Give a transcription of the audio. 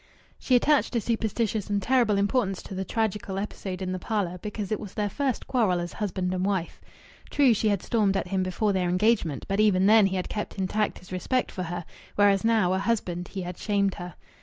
She attached a superstitious and terrible importance to the tragical episode in the parlour because it was their first quarrel as husband and wife. True, she had stormed at him before their engagement, but even then he had kept intact his respect for her, whereas now, a husband, he had shamed her.